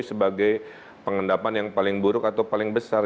sebagai pengendapan yang paling buruk atau paling besar